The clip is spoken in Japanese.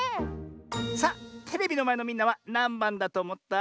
さあテレビのまえのみんなはなんばんだとおもった？